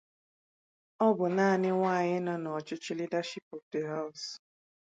Ọ bụ naanị nwanyị nọ n' ọchichi 'leadership of the House'.